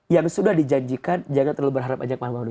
yang sudah dijanjikan jangan terlalu berharap akan menempatinya